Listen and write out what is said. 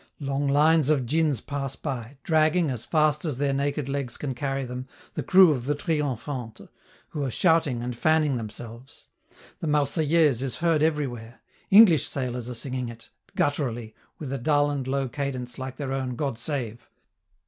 Long lines of djins pass by, dragging, as fast as their naked legs can carry them, the crew of the 'Triomphante,' who are shouting and fanning themselves. The Marseillaise is heard everywhere; English sailors are singing it, gutturally, with a dull and slow cadence like their own "God Save."